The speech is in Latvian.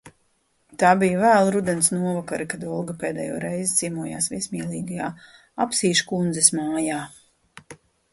Tā bija vēla rudens novakare, kad Olga pēdējo reizi ciemojās viesmīlīgajā Apsīškundzes mājā.